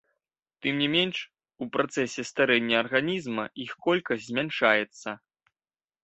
Тым не менш, у працэсе старэння арганізма іх колькасць змяншаецца.